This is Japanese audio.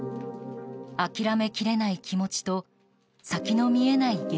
諦めきれない気持ちと先の見えない